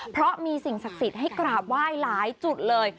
เพราะมีสิ่งศักดิ์สิทธิ์ให้กราบไหว้หลายจุดเลย